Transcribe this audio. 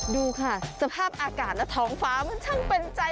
ดูค่ะสภาพอากาศและท้องฟ้ามันช่างเป็นใจ